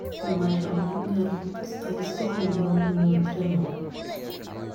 Uma jovem garota está escorregando em um trenó.